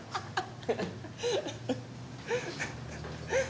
ハハハハ！